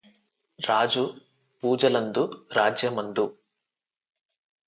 రాజు పూజలందు రాజ్యమందు